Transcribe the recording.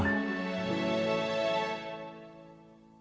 dan mencintainya serta memperlakukannya dengan sama